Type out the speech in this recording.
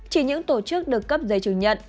chỉ những tổ chức được cấp giấy chứng nhận